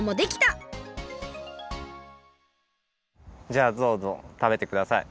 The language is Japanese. じゃあどうぞたべてください。